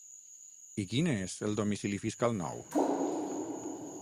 I quin és el domicili fiscal nou?